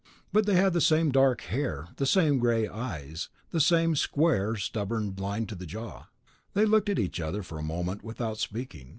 But they had the same dark hair, the same gray eyes, the same square, stubborn line to the jaw. They looked at each other for a moment without speaking.